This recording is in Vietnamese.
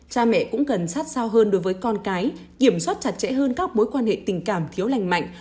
cha mẹ cũng cần sát sao hơn đối với con cái kiểm soát chặt chẽ hơn các mối quan hệ tình cảm thiếu lành mạnh